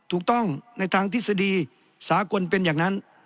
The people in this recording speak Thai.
วิศดีสากลเป็นอย่างนั้น